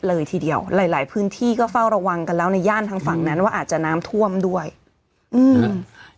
เลยทีเดียวหลายหลายพื้นที่ก็เฝ้าระวังกันแล้วในย่านทางฝั่งนั้นว่าอาจจะน้ำท่วมด้วยอืม